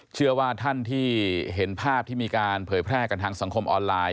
เชื่อว่าท่านที่เห็นภาพที่มีการเผยแพร่กันทางสังคมออนไลน์